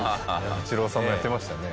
イチローさんもやってましたね。